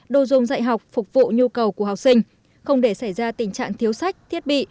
đồ dùng dạy học phục vụ nhu cầu của học sinh không để xảy ra tình trạng thiếu sách thiết bị